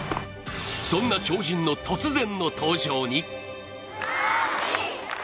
そんな超人の突然の登場に。